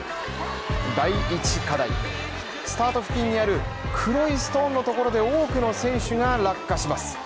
第１課題、スタート付近にある黒いストーンのところで多くの選手が落下します。